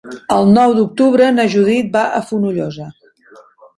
El nou d'octubre na Judit va a Fonollosa.